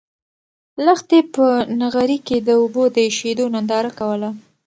لښتې په نغري کې د اوبو د اېشېدو ننداره کوله.